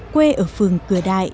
quê ở phường cửa đại